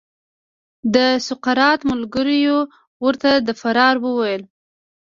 د سقراط ملګریو ورته د فرار وویل.